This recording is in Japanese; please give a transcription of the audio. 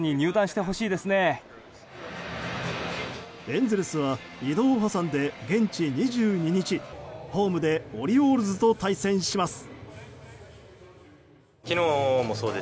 エンゼルスは移動を挟んで現地２２日ホームでオリオールズと対戦します。